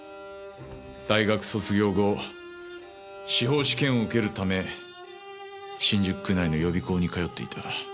大学卒業後司法試験を受けるため新宿区内の予備校に通っていた。